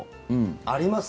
あります。